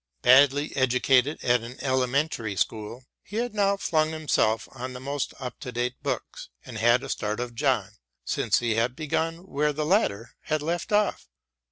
Badly educated at an elementary school, he had now flung himself on the most up to date books and had a start of John, since he had begun where the latter had left off.